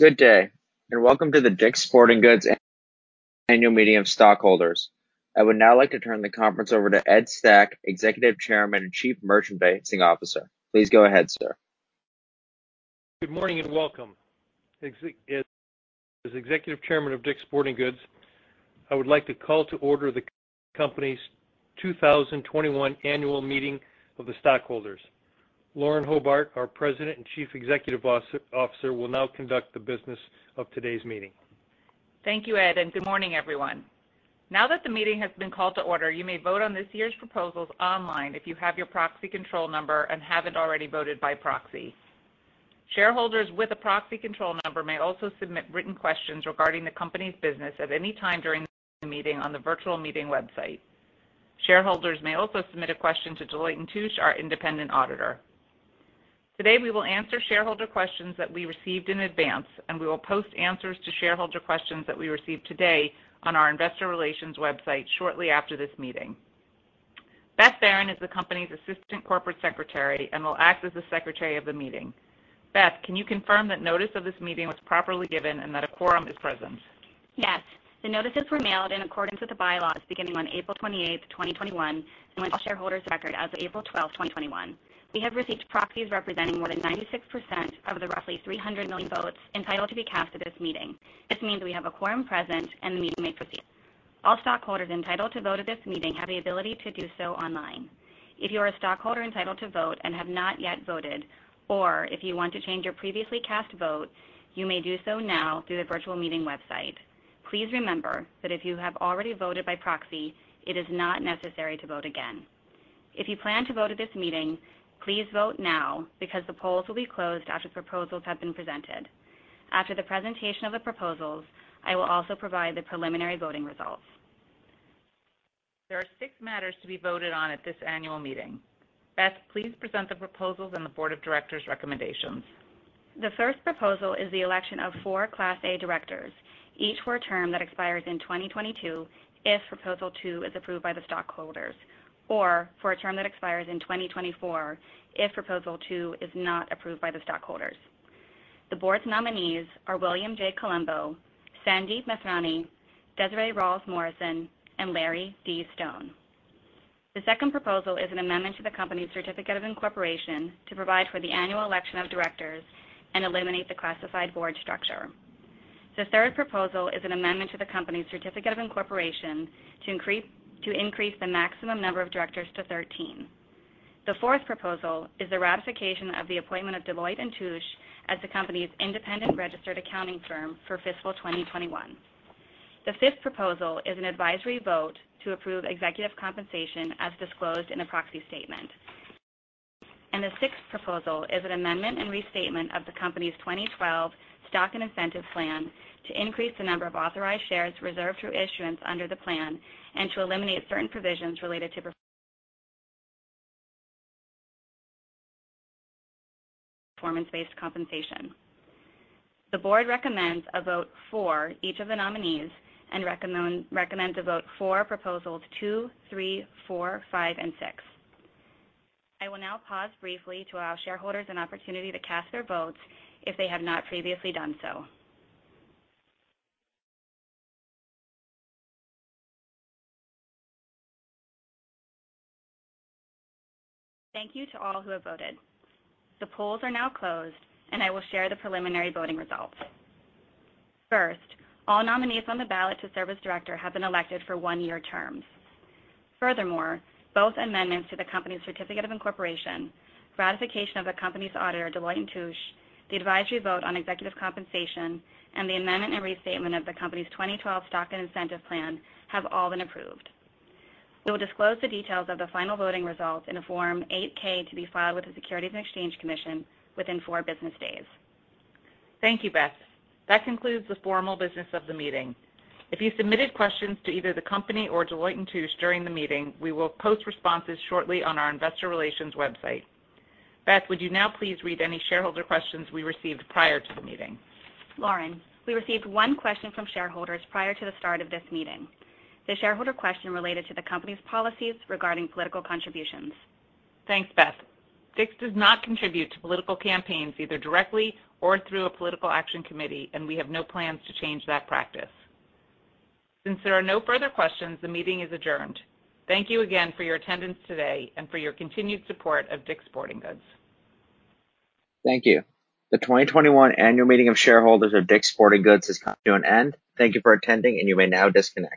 Good day, and welcome to the DICK'S Sporting Goods Annual Meeting of Stockholders. I would now like to turn the conference over to Ed Stack, Executive Chairman and Chief Merchandising Officer. Please go ahead, sir. Good morning and welcome. As Executive Chairman of DICK'S Sporting Goods, I would like to call to order the company's 2021 annual meeting of the stockholders. Lauren R. Hobart, our President and Chief Executive Officer, will now conduct the business of today's meeting. Thank you, Ed, and good morning, everyone. Now that the meeting has been called to order, you may vote on this year's proposals online if you have your proxy control number and haven't already voted by proxy. Shareholders with a proxy control number may also submit written questions regarding the company's business at any time during the meeting on the virtual meeting website. Shareholders may also submit a question to Deloitte & Touche, our independent auditor. Today, we will answer shareholder questions that we received in advance, and we will post answers to shareholder questions that we receive today on our investor relations website shortly after this meeting. Beth Baran is the company's Assistant Corporate Secretary and will act as the Secretary of the meeting. Beth, can you confirm that notice of this meeting was properly given and that a quorum is present? Yes. The notices were mailed in accordance with the bylaws beginning on April 28th, 2021, to all shareholders of record as of April 12, 2021. We have received proxies representing more than 96% of the roughly 300 million votes entitled to be cast at this meeting. This means we have a quorum present, and the meeting may proceed. All stockholders entitled to vote at this meeting have the ability to do so online. If you are a stockholder entitled to vote and have not yet voted, or if you want to change your previously cast vote, you may do so now through the virtual meeting website. Please remember that if you have already voted by proxy, it is not necessary to vote again. If you plan to vote at this meeting, please vote now because the polls will be closed after the proposals have been presented. After the presentation of the proposals, I will also provide the preliminary voting results. There are six matters to be voted on at this annual meeting. Elizabeth, please present the proposals and the Board of Directors' recommendations. The first proposal is the election of four Class A directors, each for a term that expires in 2022 if Proposal 2 is approved by the stockholders, or for a term that expires in 2024 if Proposal 2 is not approved by the stockholders. The board's nominees are William J. Colombo, Sandeep Mathrani, Desiree Ralls-Morrison, and Larry D. Stone. The second proposal is an amendment to the company's Certificate of Incorporation to provide for the annual election of directors and eliminate the classified board structure. The third proposal is an amendment to the company's Certificate of Incorporation to increase the maximum number of directors to 13. The fourth proposal is the ratification of the appointment of Deloitte & Touche as the company's independent registered accounting firm for fiscal 2021. The fifth proposal is an advisory vote to approve executive compensation as disclosed in the proxy statement. The sixth proposal is an amendment and restatement of the company's 2012 Stock and Incentive Plan to increase the number of authorized shares reserved for issuance under the plan and to eliminate certain provisions related to performance-based compensation. The board recommends a vote for each of the nominees and recommends a vote for Proposals 2, 3, 4, 5, and 6. I will now pause briefly to allow shareholders an opportunity to cast their votes if they have not previously done so. Thank you to all who have voted. The polls are now closed, and I will share the preliminary voting results. First, all nominees on the ballot to serve as director have been elected for one-year terms. Furthermore, both amendments to the company's Certificate of Incorporation, ratification of the company's auditor, Deloitte & Touche, the advisory vote on executive compensation, and the amendment and restatement of the company's 2012 Stock and Incentive Plan have all been approved. We will disclose the details of the final voting results in a Form 8-K to be filed with the Securities and Exchange Commission within four business days. Thank you, Beth. That concludes the formal business of the meeting. If you submitted questions to either the company or Deloitte & Touche during the meeting, we will post responses shortly on our investor relations website. Beth, would you now please read any shareholder questions we received prior to the meeting? Lauren, we received one question from shareholders prior to the start of this meeting. The shareholder question related to the company's policies regarding political contributions. Thanks, Beth. DICK'S does not contribute to political campaigns, either directly or through a political action committee. We have no plans to change that practice. Since there are no further questions, the meeting is adjourned. Thank you again for your attendance today and for your continued support of DICK'S Sporting Goods. Thank you. The 2021 annual meeting of shareholders of DICK'S Sporting Goods has come to an end. Thank you for attending. You may now disconnect.